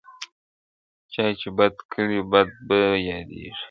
• چاچي بد کړي بد به یادیږي -